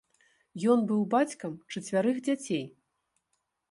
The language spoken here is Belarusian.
Ён быў бацькам чацвярых дзяцей.